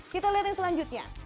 kita lihat yang selanjutnya